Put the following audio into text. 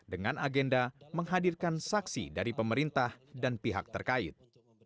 dengan agenda menghadirkan saksi dari pemerintah dan pihak terkait